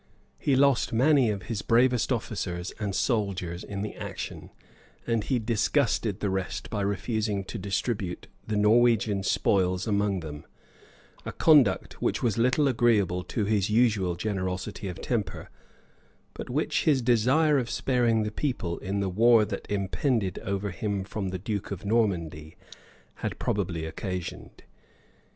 He lost many of his bravest officers and soldiers in the action, and he disgusted the rest by refusing to distribute the Norwegian spoils among them; a conduct which was little agreeable to his usual generosity of temper, but which his desire of sparing the people, in the war that impended over him from the duke of Normandy, had probably occasioned.